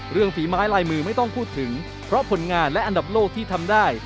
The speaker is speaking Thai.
ฝีไม้ลายมือไม่ต้องพูดถึงเพราะผลงานและอันดับโลกที่ทำได้